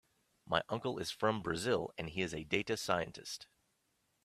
My uncle is from Brazil and he is a data scientist.